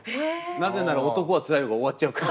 なぜなら「男はつらいよ」が終わっちゃうから。